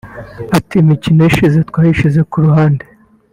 Ati ”Imikino ishize twayishyize ku ruhande